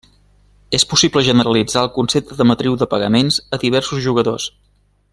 És possible generalitzar el concepte de matriu de pagaments a diversos jugadors.